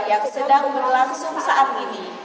yang sedang berlangsung saat ini